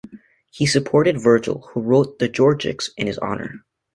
He supported Virgil who wrote the "Georgics" in his honour.